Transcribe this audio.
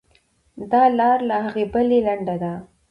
دا لار له هغې بلې لنډه ده.